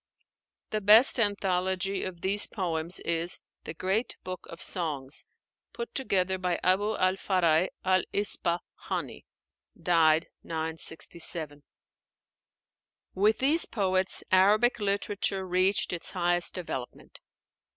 The best anthology of these poems is 'The Great Book of Songs,' put together by Abu al Fáraj al Ispa háni (died 967). With these poets Arabic literature reached its highest development.